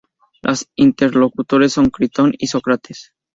Los interlocutores son Critón y Sócrates.